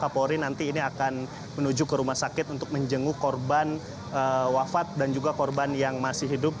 kapolri nanti ini akan menuju ke rumah sakit untuk menjenguk korban wafat dan juga korban yang masih hidup